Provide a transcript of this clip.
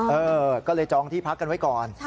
เออก็เลยจองที่พักกันไว้ก่อน